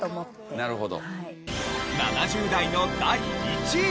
なるほど。